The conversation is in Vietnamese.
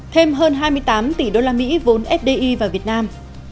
thêm hơn hai mươi tám tỷ đô la mỹ vốn fdi vào việt nam